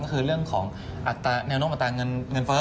ก็คือเรื่องของแนวนกอัตราเงินเฟ้อ